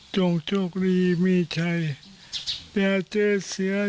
จงโชคดีมีชัย